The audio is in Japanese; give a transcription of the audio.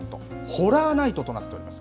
ホラーナイトとなっております。